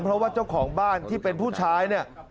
เพราะว่าเจ้าของบ้านที่เป็นผู้ชายเนี่ย